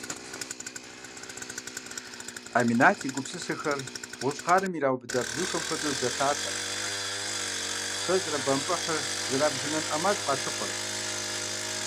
Ӏэминат и гупсысэхэр гъущӏ хъарым ираубыда бзухэм хуэдэу зелъатэрт, псэ зэрыбэмпӏыхьар зэрабгынэн ӏэмал къалъыхъуэрт.